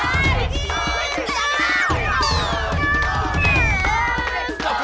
kamu ini gak mau